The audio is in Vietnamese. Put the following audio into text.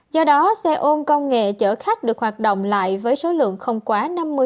do đó xe ôm công nghệ chở khách được hoạt động lại với số lượng không quá năm mươi